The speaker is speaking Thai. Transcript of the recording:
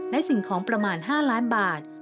และสิ่งของประมาณ๕ล้านบาท